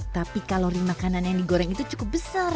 tapi kalori makanan yang digoreng itu cukup besar